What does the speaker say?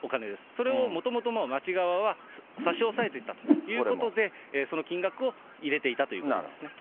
それをもともと、町側は差し押さえていたということで、その金額を入れていたということですね。